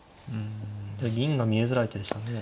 銀が見えづらい手でしたね。